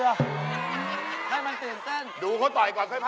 ไอ้ตีมทางนึง